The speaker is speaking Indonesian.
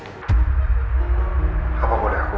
aku merasakan firasat yang ngga baik